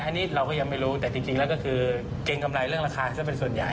อันนี้เราก็ยังไม่รู้แต่จริงแล้วก็คือเกรงกำไรเรื่องราคาซะเป็นส่วนใหญ่